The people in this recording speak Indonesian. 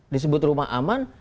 disebut rumah aman